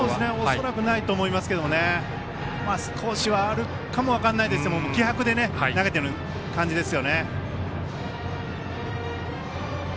恐らくないと思いますけど少しはあるかも分からないですけど気迫で投げている感じですよね。